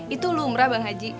itu lumrah bang haji